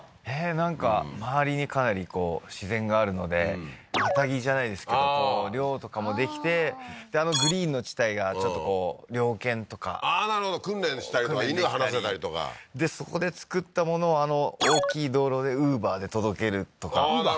なんか周りにかなり自然があるのでマタギじゃないですけど猟とかもできてであのグリーンの地帯がちょっとこう猟犬とかああーなるほど訓練したりとか犬放せたりとかでそこで作ったものをあの大きい道路でＵｂｅｒで届けるとかＵｂｅｒ？